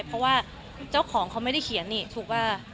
เพราะว่าเจ้าของเขาไม่ได้เขียนนี่ถูกว่า